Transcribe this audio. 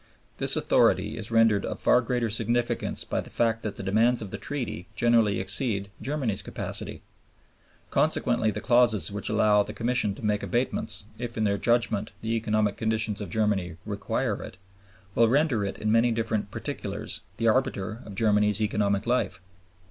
This authority is rendered of far greater significance by the fact that the demands of the Treaty generally exceed Germany's capacity. Consequently the clauses which allow the Commission to make abatements, if in their judgment the economic conditions of Germany require it, will render it in many different particulars the arbiter of Germany's economic life.